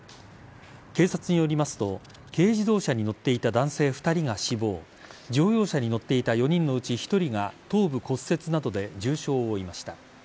警察によりますと軽自動車に乗っていた男性２人が死亡乗用車に乗っていた４人のうち１人が頭部骨折などで重傷を負いました。